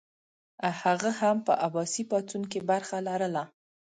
هغه هم په عباسي پاڅون کې برخه لرله.